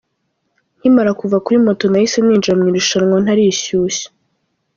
Nkimara kuva kuri moto nahise ninjira mu irushanwa ntarishyushya.